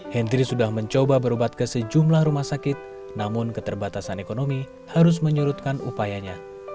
hendri sudah mencoba berobat ke sejumlah rumah sakit namun keterbatasan ekonomi harus menyurutkan upayanya